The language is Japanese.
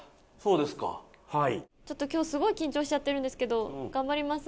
ちょっと今日すごい緊張しちゃってるんですけど頑張ります。